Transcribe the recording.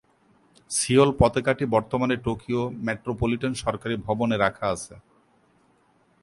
Seoul পতাকাটি বর্তমানে Tokyo metropolitan সরকারি ভবন-এ রাখা আছে।